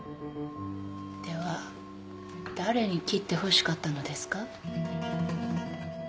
では誰に切ってほしかったのですか？